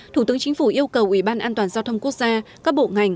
thủ tướng chính phủ yêu cầu ủy ban an toàn giao thông quốc gia các bộ ngành